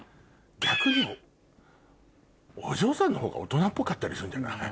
逆にお嬢さんのほうが大人っぽかったりするんじゃない？